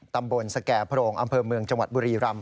ตำบลสแก่โพรงอำเภอเมืองจังหวัดบุรีรำ